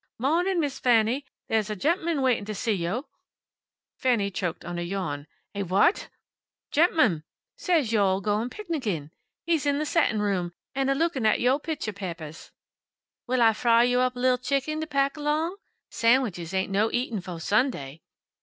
"Mawnin', Miss Fanny. There's a gep'mun waitin' to see yo'." Fanny choked on a yawn. "A what!" "Gep'mun. Says yo all goin' picnickin'. He's in the settin' room, a lookin' at yo' pictchah papahs. Will Ah fry yo' up a li'l chicken to pack along? San'wiches ain't no eatin' fo' Sunday."